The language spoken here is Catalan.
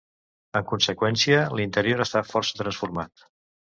En conseqüència l'interior està força transformat.